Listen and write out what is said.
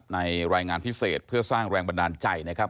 รายงานพิเศษเพื่อสร้างแรงบันดาลใจนะครับ